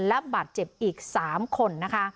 และบาดเจ็บอีก๓คน